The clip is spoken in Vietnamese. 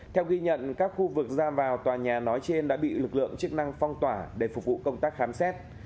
theo ghi nhận các khu vực ra vào tòa nhà nói trên đã bị lực lượng chức năng phong tỏa để phục vụ công tác khám xét